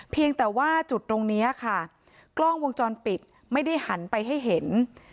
เพียงแต่ว่าจุดตรงนี้ค่ะกล้องวงจรปิดไม่ได้หันไปให้เห็น